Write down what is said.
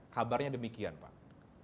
kabarnya demikian pak